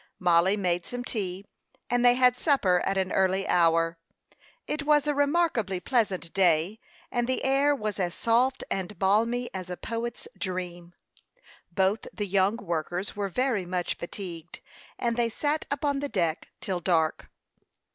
Mollie made some tea, and they had supper at an early hour. It was a remarkably pleasant day, and the air was as soft and balmy as a poet's dream. Both the young workers were very much fatigued, and they sat upon the deck till dark.